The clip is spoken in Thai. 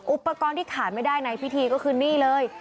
อุปกรณ์ที่ขาดไม่ได้ในพิธีก็คือนี่เลย